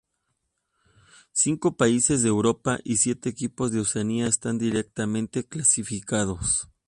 Cinco países de Europa y siete equipos de Oceanía están directamente clasificados.